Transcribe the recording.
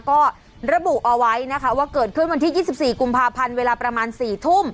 ก็ระบุเอาไว้นะคะว่าเกิดขึ้นวันที่๒๔กุมภาพันธ์เวลาประมาณ๔ทุ่ม